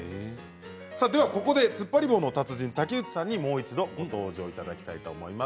ここでつっぱり棒の達人竹内さんにもう一度ご登場いただきたいと思います。